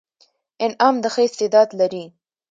انعام د ښه استعداد لري.